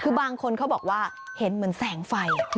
คือบางคนเขาบอกว่าเห็นเหมือนแสงไฟ